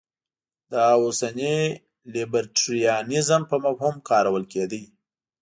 دا اوسني لیبرټریانیزم په مفهوم کارول کېده.